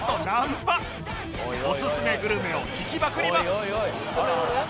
オススメグルメを聞きまくります